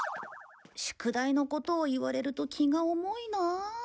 宿題のことを言われると気が重いなあ。